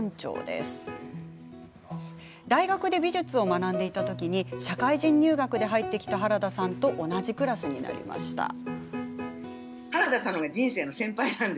大学で美術を学んでいた時に社会人入学で入ってきた原田さんと同じクラスになりました。